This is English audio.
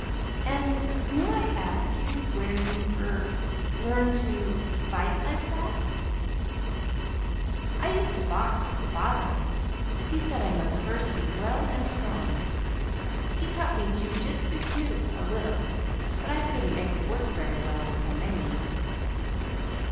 "And may I ask you where you er learned to fight like that?" "I used to box with father. He said I must first be well and strong. He taught me jiujitsu, too, a little; but I couldn't make it work very well with so many."